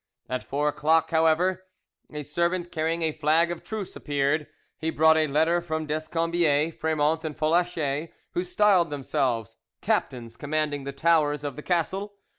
At four o'clock, however, a servant carrying a flag of truce appeared; he brought a letter from Descombiez, Fremont, and Folacher, who styled themselves "Captains commanding the towers of the Castle."